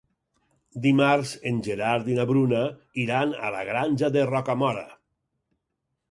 Dimarts en Gerard i na Bruna iran a la Granja de Rocamora.